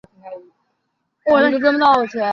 这部音乐剧的灵感来自于一本杂志里的照片。